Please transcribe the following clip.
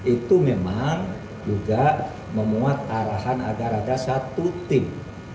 itu memang juga memuat arahan agar ada satu tim